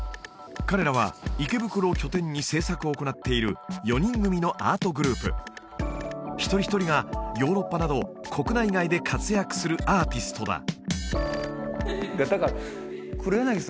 彼らは池袋を拠点に制作を行っている４人組のアートグループ一人一人がヨーロッパなど国内外で活躍するアーティストだ似てますね